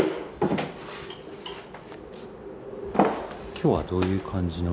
今日はどういう感じの？